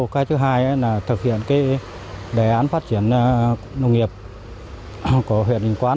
cái thứ hai là thực hiện đề án phát triển nông nghiệp của huyện đình quang